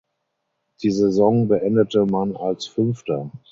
Die Saison beendete man als Fünfter.